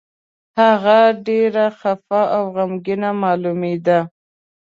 هغه ډېر خپه او غمګين مالومېده.